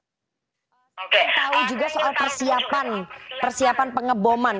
saya tahu juga soal persiapan persiapan pengeboman